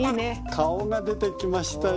顔が出てきましたよ。